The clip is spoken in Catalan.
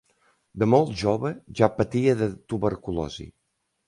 De molt jove ja patia de tuberculosi.